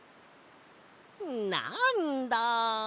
なんだ。